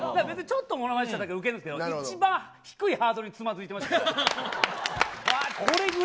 別にちょっとものまねしただけでウケるけど、一番低いハードルでつまずいてましたから。